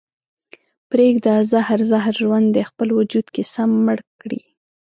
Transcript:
پرېږده زهر زهر ژوند دې خپل وجود کې سم مړ کړي